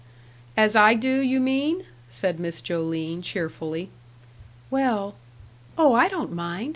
"As I do, you mean," said Miss Joline, cheerfully. "Well " "Oh, I don't mind.